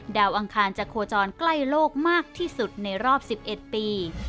อังคารจะโคจรใกล้โลกมากที่สุดในรอบ๑๑ปี